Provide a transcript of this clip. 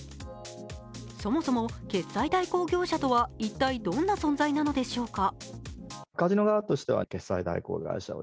そもそも決済代行業者とは一体どんな存在なのでしょうか。